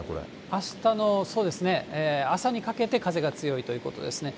あしたの、そうですね、朝にかけて風が強いということですね。